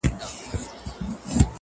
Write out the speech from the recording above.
که لوی سوم ځمه د ملا غوږ کي آذان کومه _